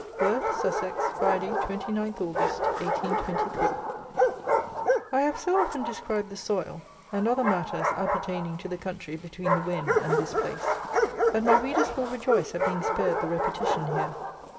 Worth (Sussex), Friday, 29 August 1823. I have so often described the soil and other matters appertaining to the country between the Wen and this place that my readers will rejoice at being spared the repetition here.